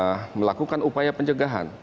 kita melakukan upaya pencegahan